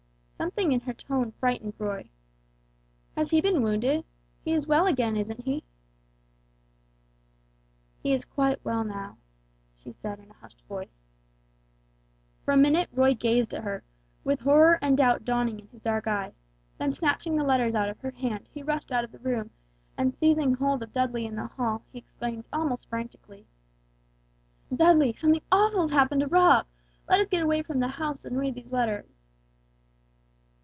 Something in her tone frightened Roy. "Has he been wounded? He is well again, isn't he?" "He is quite well now," she said, in a hushed voice. For a minute Roy gazed at her, with horror and doubt dawning in his dark eyes, then snatching the letters out of her hand he rushed out of the room; and seizing hold of Dudley in the hall he exclaimed almost frantically: "Dudley, something awful has happened to Rob, let us get away from the house and read these letters."